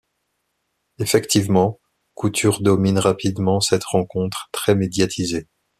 Effectivement, Couture domine rapidement cette rencontre très médiatisée.